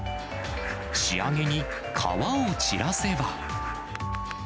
仕上げに皮を散らせば。